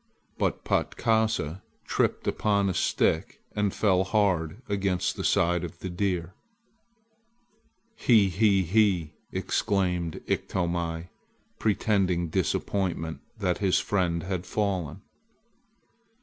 But Patkasa tripped upon a stick and fell hard against the side of the deer. "He he he!" exclaimed Iktomi, pretending disappointment that his friend had fallen.